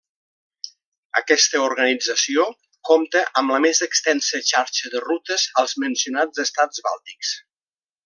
Aquesta organització compta amb la més extensa xarxa de rutes als mencionats estats bàltics.